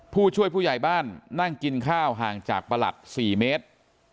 ผู้ช่วยผู้ใหญ่บ้านนั่งกินข้าวห่างจากประหลัด๔เมตร